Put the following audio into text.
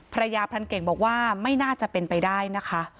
ภรรยาพรานเก่งบอกว่าไม่น่าจะเป็นไปได้นะคะ